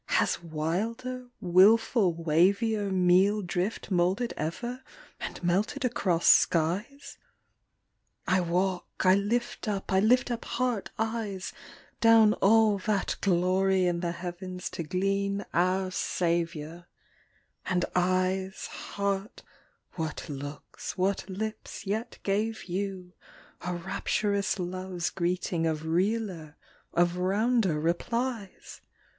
has wilder, wilful wavier Meal drift moulded ever and melted across skies? I walk, I lift up, I lift up heart, eyes, Down all that glory in the heavens to glean our Saviour; And, éyes, heárt, what looks, what lips yet gave you a Rapturous love's greeting of realer, of rounder replies?